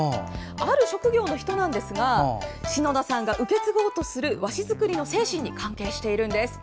ある職業の人なんですが篠田さんが受け継ごうとする和紙作りの精神に関係しているんです。